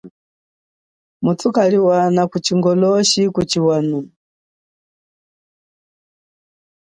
Muthu kaliwana ku chingoloshi kuchiwanyino.